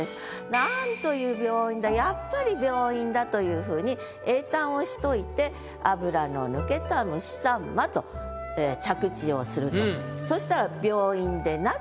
なんという病院だやっぱり病院だというふうに詠嘆をしといて「脂の抜けた蒸し秋刀魚」と着地をすると。